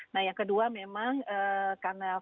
nah yang kedua memang karena